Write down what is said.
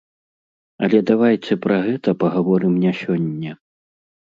Але давайце пра гэта пагаворым не сёння.